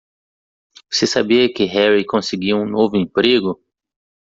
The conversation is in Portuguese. Você sabia que Harry conseguiu um novo emprego?